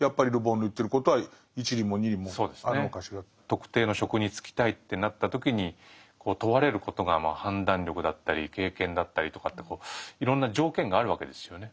特定の職に就きたいってなった時に問われることが判断力だったり経験だったりとかっていろんな条件があるわけですよね。